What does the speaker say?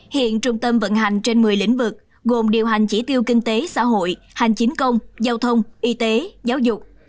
hiện trung tâm vận hành trên một mươi lĩnh vực gồm điều hành chỉ tiêu kinh tế xã hội hành chính công giao thông y tế giáo dục